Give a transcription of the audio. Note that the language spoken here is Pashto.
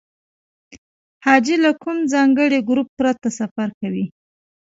حاجي له کوم ځانګړي ګروپ پرته سفر کوي.